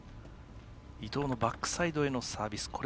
伊藤のバックサイドへのサービス。